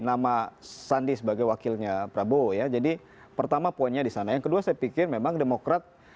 nama sandi sebagai wakilnya prabowo ya jadi pertama poinnya di sana yang kedua saya pikir memang demokrat